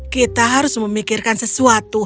kita harus memikirkan semua hal